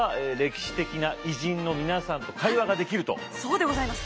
じゃあそうでございます。